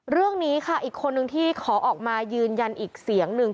เรื่องนี้ค่ะอีกคนนึงที่ขอออกมายืนยันอีกเสียงหนึ่ง